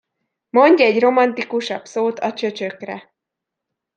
Mondj egy romantikusabb szót a csöcsökre!